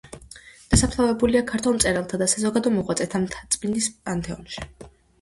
დასაფლავებულია ქართველ მწერალთა და საზოგადო მოღვაწეთა მთაწმინდის პანთეონში.